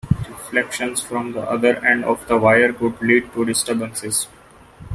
Reflections from the other end of the wire could lead to disturbances.